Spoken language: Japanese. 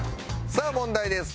「さあ問題です。